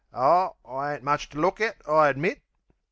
Oh, I ain't much to look at, I admit.